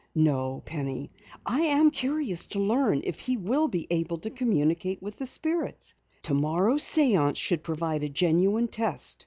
"No, Penny, I am curious to learn if he will be able to communicate with the spirits. Tomorrow's séance should provide a genuine test.